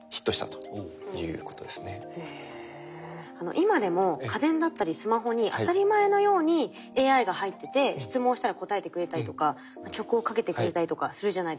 今でも家電だったりスマホに当たり前のようにＡＩが入ってて質問したら答えてくれたりとか曲をかけてくれたりとかするじゃないですか。